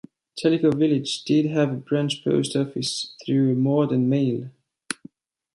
Tellico Village did have a branch post office through a More Than Mail!